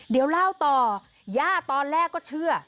เดี๋ยวเล่าต่อย่าตอนแรกก็เชื่อ